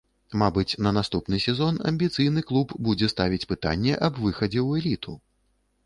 Мабыць, на наступны сезон амбіцыйны клуб будзе ставіць пытанне аб выхадзе ў эліту.